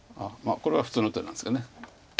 これは普通の手なんですよね。